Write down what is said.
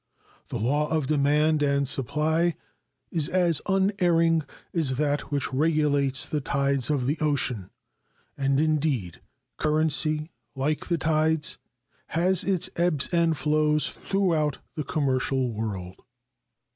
The law of demand and supply is as unerring as that which regulates the tides of the ocean; and, indeed, currency, like the tides, has its ebbs and flows throughout the commercial world.